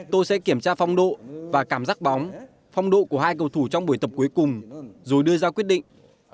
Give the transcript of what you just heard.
tôi sẽ kiểm tra phong độ và cảm giác bóng phong độ của hai cầu thủ trong buổi tập cuối cùng rồi đưa ra quyết định